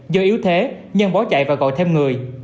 do yếu thế nhân bỏ chạy và gọi thêm người